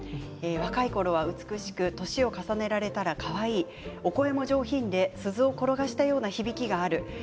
若いころは美しく年を重ねられたらかわいいお声も上品で鈴を転がしたような響きがある。